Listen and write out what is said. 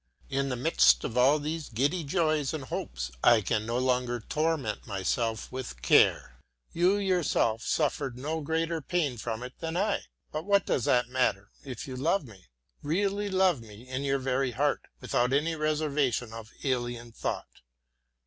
In the midst of all these giddy joys and hopes I can no longer torment myself with care. You yourself suffered no greater pain from it than I. But what does that matter, if you love me, really love me in your very heart, without any reservation of alien thought?